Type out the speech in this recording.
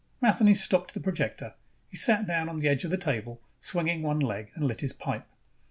Matheny stopped the projector. He sat down on the edge of the table, swinging one leg, and lit his pipe.